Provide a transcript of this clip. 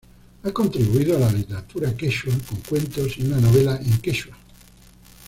Ha contribuido a la literatura quechua con cuentos y una novela en quechua.